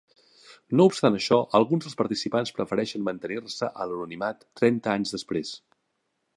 No obstant això, alguns dels participants prefereixen mantenir-se en l'anonimat trenta anys després.